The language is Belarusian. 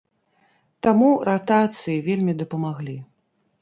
Таму ратацыі вельмі дапамаглі.